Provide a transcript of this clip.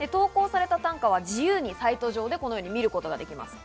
投稿された短歌は自由にサイト上で見ることができます。